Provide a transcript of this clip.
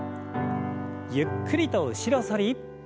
ゆっくりと後ろ反り。